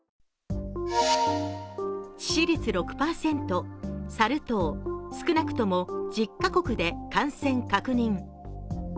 致死率６％、サル痘、少なくとも１０か国で感染確認。